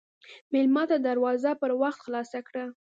مېلمه ته دروازه پر وخت خلاصه کړه.